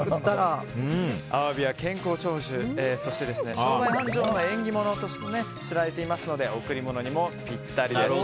アワビは健康長寿そして商売繁盛の縁起物として知られていますので贈り物にもぴったりです。